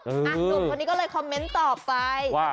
หนุ่มคนนี้ก็เลยคอมเมนต์ต่อไป